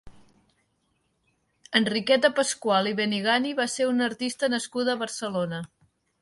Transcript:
Enriqueta Pascual i Benigani va ser una artista nascuda a Barcelona.